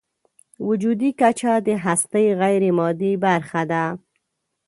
وجودي کچه د هستۍ غیرمادي برخه ده.